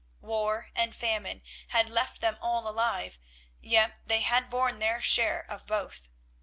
War and famine had left them all alive, yet they had borne their share of both.